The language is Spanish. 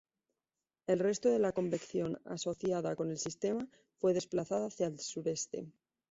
El resto de la convección asociada con el sistema fue desplazada hacia el sureste.